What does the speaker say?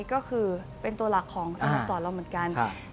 ก็คือเป็นตัวหลักของสโมสรเราเหมือนกัน